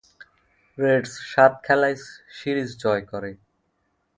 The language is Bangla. রেডস সাত খেলায় সিরিজ জয় করে।